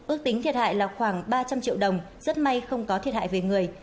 ước tính thiệt hại là khoảng ba trăm linh triệu đồng rất may không có thiệt hại về người